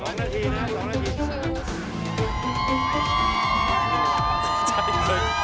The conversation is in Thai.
นาทีนะ๒นาที